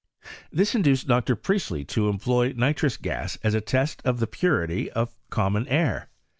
This in duced Dr. Priestley to employ nitrous gas as a test of the purity of common air.